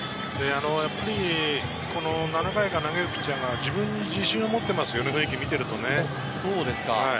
７回から投げるピッチャーが自分に自信を持っていますよね、雰囲気を見ていると。